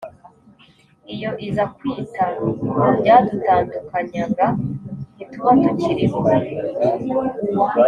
Iyo iza kwita kubyadutandukanyaga ntituba tukiriho